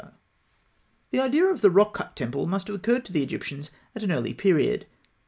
] The idea of the rock cut temple must have occurred to the Egyptians at an early period.